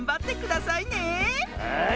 はい。